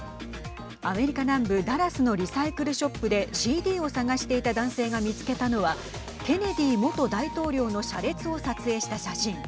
アメリカ南部ダラスのリサイクルショップでＣＤを探していた男性が見つけたのはケネディ元大統領の車列を撮影した写真。